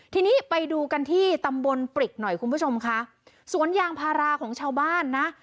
ทีนี้ไปดูกันที่ตำบลปริกหน่อยคุณผู้ชมค่ะสวนยางพาราของชาวบ้านนะ